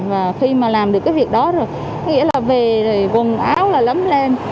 và khi mà làm được cái việc đó rồi nghĩa là về quần áo là lấm lên